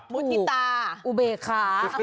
มุฒิตาอุเบคค่ะ